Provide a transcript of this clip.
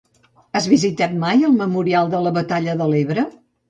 Has visitat mai el memorial de la batalla de l'Ebre?